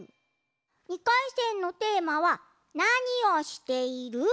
２かいせんのテーマは「なにをしている？」。